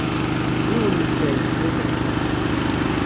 Yiwen n ttay ttxil-m!